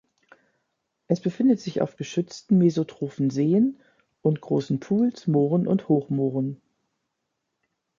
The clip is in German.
Es befindet sich auf geschützten mesotrophen Seen und großen Pools, Mooren und Hochmooren.